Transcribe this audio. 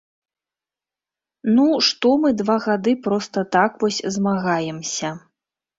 Ну што мы два гады проста так вось змагаемся?